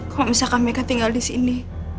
kalau misalkan meka tinggal disini